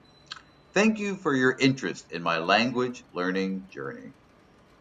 Thank you for your interest in my language learning journey.